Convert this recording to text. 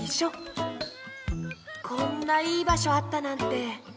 こんないいばしょあったなんて。